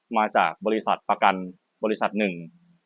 มาจากบริษัทประกันบริษัทหนึ่ง